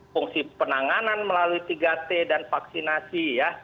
fungsi penanganan melalui tiga t dan vaksinasi ya